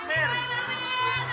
alhamdulillah allah allah